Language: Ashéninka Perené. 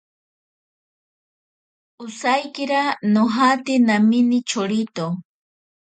Osaikira nojate namene chorito.